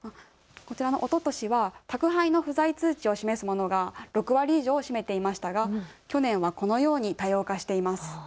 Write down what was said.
おととしは宅配の不在通知を示すものが６割以上を占めていましたが去年はこのように多様化しています。